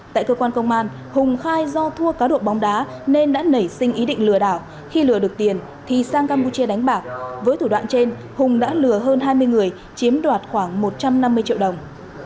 tại cơ quan công an hùng khai do thua cá độ bóng đá nên đã nảy sinh ý định lừa đảo khi lừa được tiền thì sang campuchia đánh bạc với thủ đoạn trên hùng đã lừa hơn hai mươi người chiếm đoạt khoảng một trăm năm mươi triệu đồng